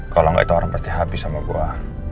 kalau gak itu orang pasti habis sama gua